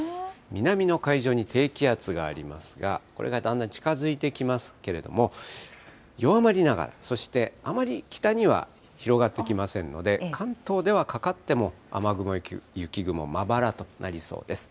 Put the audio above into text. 南の海上に低気圧がありますが、これがだんだん近づいてきますけれども、弱まりながら、そしてあまり北には広がってきませんので、関東ではかかっても雨雲、雪雲、まばらとなりそうです。